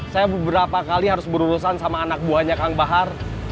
saya beberapa kali harus berurusan sama anak buahnya kang bahar